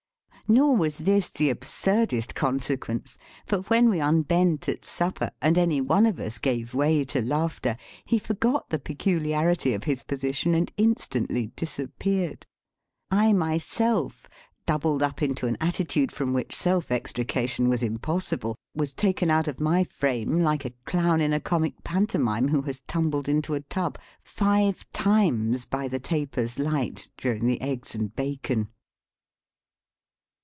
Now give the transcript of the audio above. Nor was this the absurdest consequence; for when we unbent at supper, and any one of us gave way to laughter, he forgot the peculiarity of his position, and instantly disappeared. I myself, doubled up into an attitude from which self extrication was impossible, was taken out of my frame, like a clown in a comic pantomime who has tumbled into a tub, five times by the taper's light during the eggs and bacon.